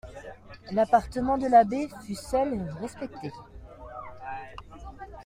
L'appartement de l'abbé fut seul respecté.